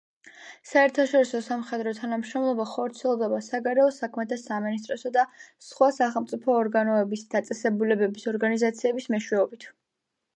საერთაშორისო სამხედრო თანამშრომლობა ხორციელდება საგარეო საქმეთა სამინისტროსა და სხვა სახელმწიფო ორგანოების, დაწესებულებების, ორგანიზაციების მეშვეობით.